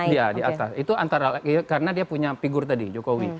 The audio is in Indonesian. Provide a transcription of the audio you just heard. iya di atas itu antara karena dia punya figur tadi jokowi